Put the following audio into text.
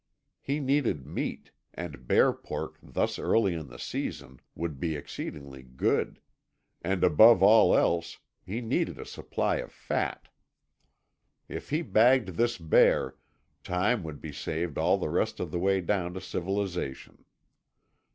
He needed meat, and bear pork thus early in the season would be exceedingly good; and above all else he needed a supply of fat. If he bagged this bear, time would be saved all the rest of the way down to civilization.